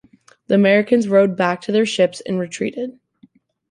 The Americans rowed back to their ships and retreated.